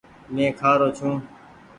مينٚ کهارو ڇوٚنٚ